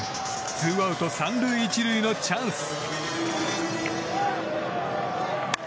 ツーアウト３塁１塁のチャンス。